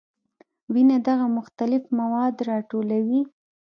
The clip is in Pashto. وینه دغه مختلف مواد راټولوي.